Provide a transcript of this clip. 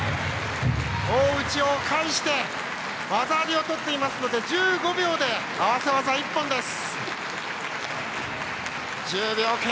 大内を返して技ありを取ったので１５秒で合わせ技一本です。